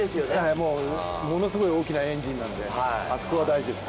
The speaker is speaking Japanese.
ものすごい大きなエンジンなんであそこは大事です。